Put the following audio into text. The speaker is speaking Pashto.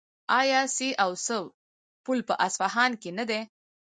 آیا سي او سه پل په اصفهان کې نه دی؟